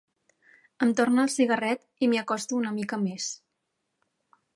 Em torna el cigarret i m'hi acosto una mica més.